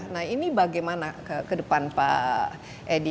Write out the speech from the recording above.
nah ini bagaimana ke depan pak edi